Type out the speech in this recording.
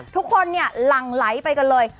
ทุกคนเนี่ยหลั่งไหลไปกันเลย